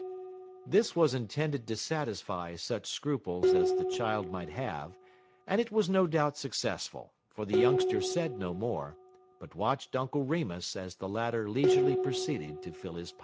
This was intended to satisfy such scruples as the child might have, and it was no doubt successful, for the youngster said no more, but watched Uncle Remus as the latter leisurely proceeded to fill his pipe.